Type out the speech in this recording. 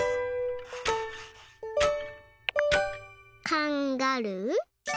カンガルー。